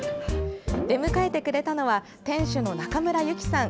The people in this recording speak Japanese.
出迎えてくれたのは店主の中村有紀さん。